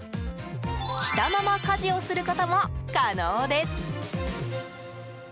着たまま家事をすることも可能です。